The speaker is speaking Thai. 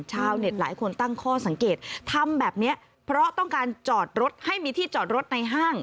ชาวเน็ตหลายคนตั้งข้อสังเกตทำแบบนี้เพราะต้องการจอดรถให้มีที่จอดรถในห้าง